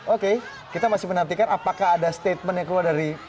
oke kita masih menantikan apakah ada statement yang keluar dari